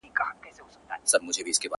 زما په مینه کي دا ټول جهان سوځیږي٫